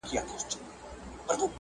په دوکان یې عیال نه سو مړولای!.